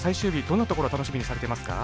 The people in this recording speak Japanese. どんなところを楽しみにされてますか？